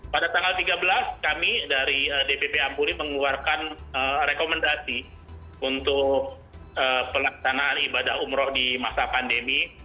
pada tanggal tiga belas kami dari dpp ampuri mengeluarkan rekomendasi untuk pelaksanaan ibadah umroh di masa pandemi